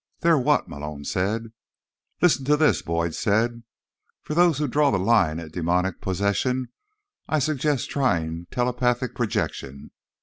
"There what?" Malone said. "Listen to this," Boyd said. "'For those who draw the line at demonic possession, I suggest trying telepathic projection.